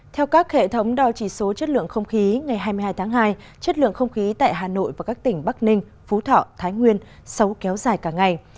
theo các hệ thống đo chỉ số chất lượng không khí ngày hai mươi hai tháng hai chất lượng không khí tại hà nội và các tỉnh bắc ninh phú thọ thái nguyên xấu kéo dài cả ngày